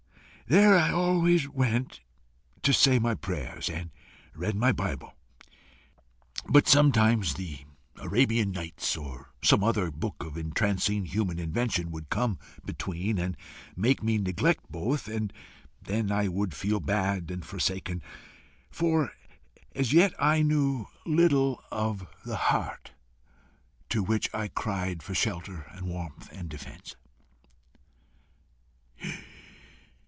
There I always went to say my prayers and read my bible. But sometimes The Arabian Nights, or some other book of entrancing human invention, would come between, and make me neglect both, and then I would feel bad and forsaken; for as yet I knew little of the heart to which I cried for shelter and warmth and defence.